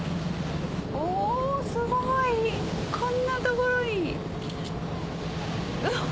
おすごい！こんな所に。